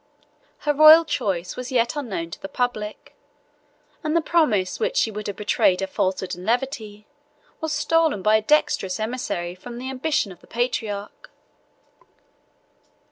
Her royal choice was yet unknown to the public; and the promise which would have betrayed her falsehood and levity, was stolen by a dexterous emissary from the ambition of the patriarch.